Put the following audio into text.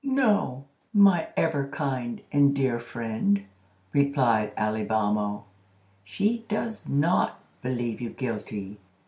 "No, my ever kind and dear friend," replied Alibamo, "she does not believe you guilty.